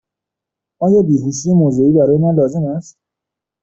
آیا بیهوشی موضعی برای من لازم است؟